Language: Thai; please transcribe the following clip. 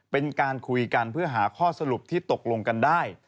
เป็นการคุยกันเพื่อหาข้อสรุปที่ตกลงกันได้